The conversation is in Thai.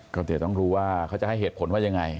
ก็เดี๋ยวต้องรู้ว่าเขาจะให้เหตุผลว่ายังไง